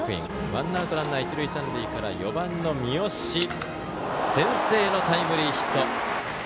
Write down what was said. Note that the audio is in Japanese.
ワンアウトランナー、一塁三塁から４番の三好先制のタイムリーヒット。